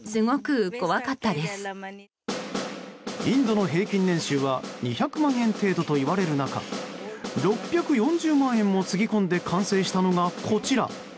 インドの平均年収は２００万円程度といわれる中６４０万円もつぎ込んで完成したのが、こちら。